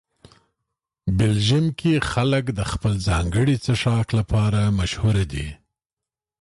بلجیم کې خلک د خپل ځانګړي څښاک لپاره مشهوره دي.